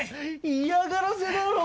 嫌がらせだろ。